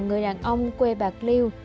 người đàn ông quê bạc liêu